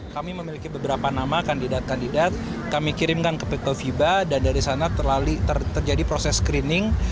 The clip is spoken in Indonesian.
kami memiliki beberapa nama kandidat kandidat kami kirimkan ke picto fiba dan dari sana terjadi proses screening